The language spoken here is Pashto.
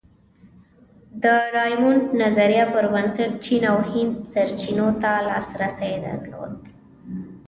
د ډایمونډ نظریې پر بنسټ چین او هند سرچینو ته لاسرسی درلود.